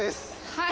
はい。